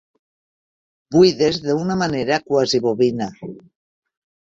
Buides d'una manera quasi bovina.